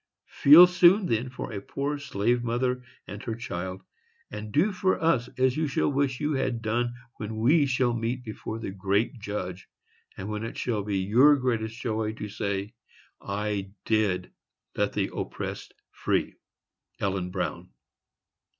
Feel soon, then, for a poor slave mother and her child, and do for us as you shall wish you had done when we shall meet before the Great Judge, and when it shall be your greatest joy to say, "I did let the oppressed free." ELLEN BROWN.